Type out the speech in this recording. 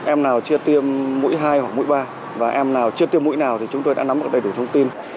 em nào chưa tiêm mũi hai hoặc mũi ba và em nào chưa tiêm mũi nào thì chúng tôi đã nắm được đầy đủ thông tin